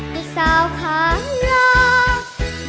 บุญสาวขาดรอง